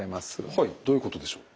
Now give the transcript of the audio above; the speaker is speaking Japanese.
はいどういうことでしょう？